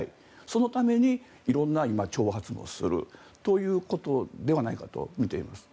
そのために色んな挑発もするということではないかと見ています。